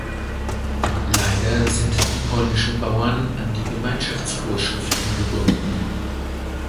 Leider sind die polnischen Bauern an die Gemeinschaftsvorschriften gebunden.